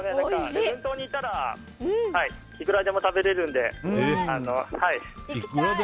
礼文島に来たらいくらでも食べれるので。